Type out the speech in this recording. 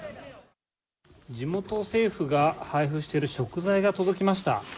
地元政府が配布している食材が届きました。